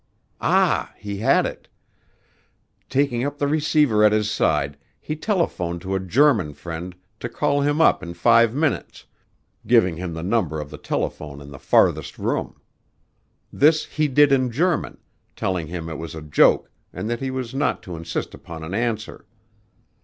Ah, he had it. Taking up the receiver at his side, he telephoned to a German friend to call him up in five minutes, giving him the number of the telephone in the farthest room. This he did in German, telling him it was a joke and that he was not to insist upon an answer.